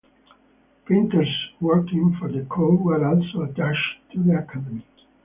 Painters working for the court were also attached to the academy.